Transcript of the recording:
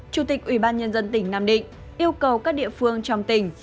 chủ tịch ubnd tỉnh nam định yêu cầu các địa phương trong tỉnh